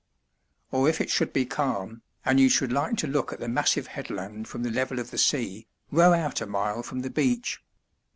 Or if it should be calm, and you should like to look at the massive headland from the level of the sea, row out a mile from the beach.